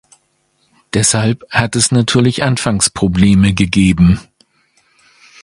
Deshalb hat es natürlich Anfangsprobleme gegeben.